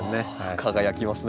輝きますね。